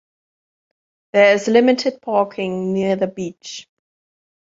There is limited parking near the beach.